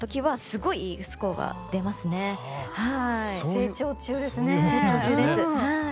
成長中ですはい。